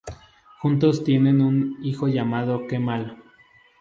Juntos tienen un hijo llamado Kemal.